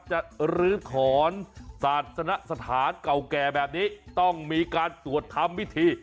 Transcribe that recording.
ลื้อถอนศาสนสถานเก่าแก่แบบนี้ต้องมีการสวดทำวิธี